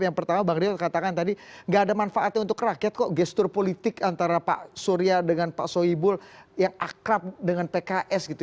yang pertama bang rio katakan tadi gak ada manfaatnya untuk rakyat kok gestur politik antara pak surya dengan pak soebul yang akrab dengan pks gitu